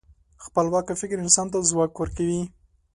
خپلواکه فکر انسان ته ځواک ورکوي.